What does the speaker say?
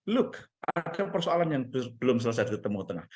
look ada persoalan yang belum selesai di timur tengah